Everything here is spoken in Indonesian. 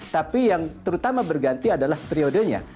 tapi yang terutama berganti adalah periodenya